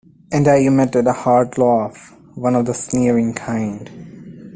And I emitted a hard laugh — one of the sneering kind.